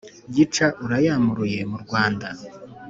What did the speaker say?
gica urayamuruye mu rwanda!